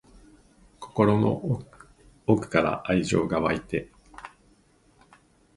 心の奥から愛情が湧いて